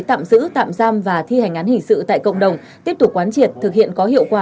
tạm giữ tạm giam và thi hành án hình sự tại cộng đồng tiếp tục quán triệt thực hiện có hiệu quả